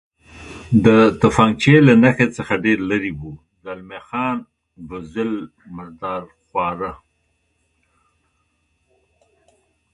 د تفنګچې له نښې څخه ډېر لرې و، زلمی خان: بزدل، مرادرخواره.